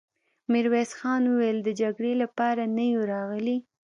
ميرويس خان وويل: د جګړې له پاره نه يو راغلي!